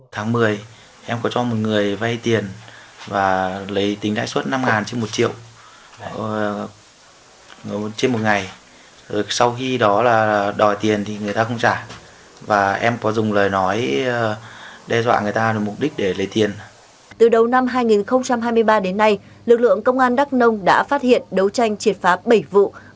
từ đầu năm hai nghìn hai mươi ba đến nay lực lượng công an đắk long đã phát hiện đấu tranh triệt phá bảy vụ